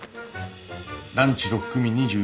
ランチ６組２４名。